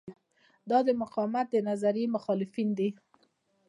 دا د مقاومت د نظریې مخالفین دي.